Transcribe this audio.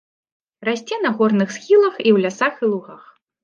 Расце на горных схілах і ў лясах і лугах.